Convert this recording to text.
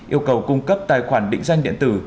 yêu cầu cung cấp tài khoản định danh điện tử